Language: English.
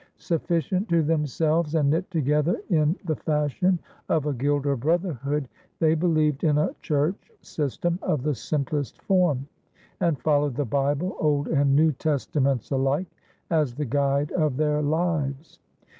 Sufficient to themselves and knit together in the fashion of a gild or brotherhood, they believed in a church system of the simplest form and followed the Bible, Old and New Testaments alike, as the guide of their lives.